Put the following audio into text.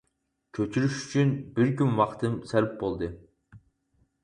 كۆچۈرۈش ئۈچۈن بىر كۈن ۋاقتىم سەرپ بولدى.